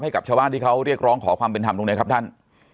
ให้กับชาวบ้านที่เขาเรียกร้องขอความเป็นธรรมตรงนี้ครับท่าน